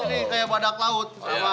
ini kayak badak laut